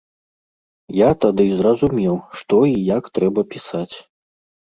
Я тады зразумеў, што і як трэба пісаць.